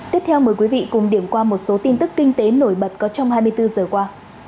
tiếp theo mời quý vị cùng điểm qua một số tin tức kinh tế nổi bật có trong hai mươi bốn giờ qua